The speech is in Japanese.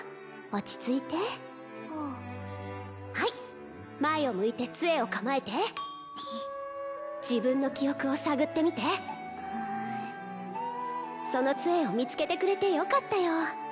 落ち着いてはあはい前を向いて杖を構えて自分の記憶を探ってみてうぅその杖を見つけてくれてよかったよ